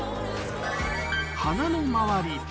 鼻の周り